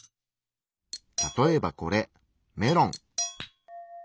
例えばこれメロン。